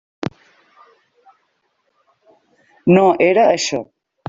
No era això.